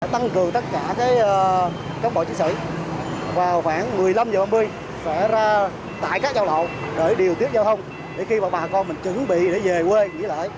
tăng cường tất cả các bộ chiến sĩ vào khoảng một mươi năm h ba mươi sẽ ra tại các giao lộ để điều tiết giao thông để khi mà bà con mình chuẩn bị để về quê nghỉ lễ